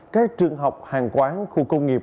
các trường học hàng quán khu công nghiệp